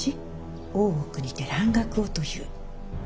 大奥にて蘭学をという。